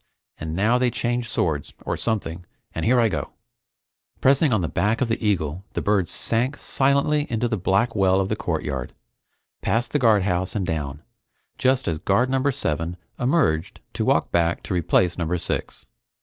Six and now they change swords or something, and here I go!" Pressing on the back of the eagle the bird sank silently into the black well of the courtyard, past the guardhouse and down, just as Guard Number Seven emerged to walk back to replace Number Six.